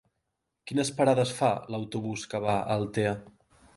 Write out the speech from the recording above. Quines parades fa l'autobús que va a Altea?